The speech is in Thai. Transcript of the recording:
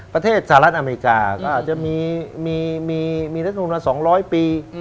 ประเทศสหรัฐอเมริกาก็อาจจะมีรัฐมนุนมา๒๐๐ปี